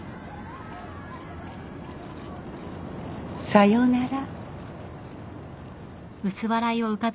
さよなら。